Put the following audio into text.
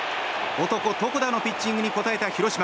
男・床田のピッチングに応えた広島。